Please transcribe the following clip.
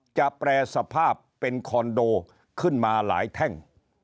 แปรสภาพเป็นคอนโดขึ้นมาหลายแท่ง